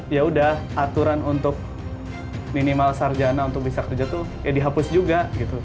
yaudah aturan untuk minimal sarjana untuk bisa kerja itu ya dihapus juga